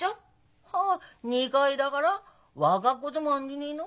はあ２回だから分がっこともあんでねえの。